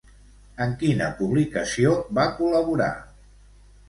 En quina publicació va col·laborar?